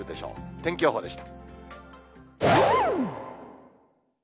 天気予報でした。